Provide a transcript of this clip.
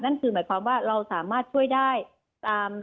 นั่นคือหมายความว่าเราสามารถช่วยได้ตาม